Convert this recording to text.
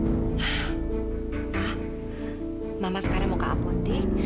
pa mama sekarang mau ke apotek